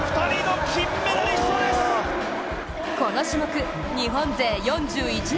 この種目、日本勢４１年